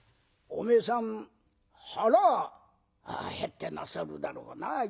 おめえさん腹減ってなさるだろうな。